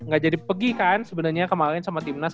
gak jadi pergi kan sebenarnya kemarin sama timnas